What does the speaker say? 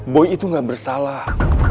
boy itu gak bersalah